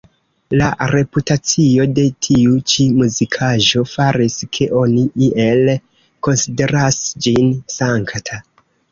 La reputacio de tiu ĉi muzikaĵo faris, ke oni iel konsideras ĝin sankta.